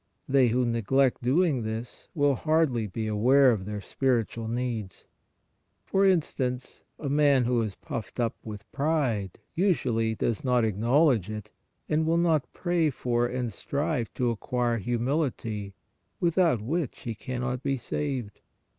They who neglect doing this, will hardly be aware of their special needs. For instance, a man who is puffed up with pride usually does not acknowledge it and will not pray for and strive to acquire humil ity, without which he cannot be saved.